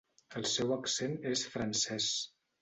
El seu accent és francès.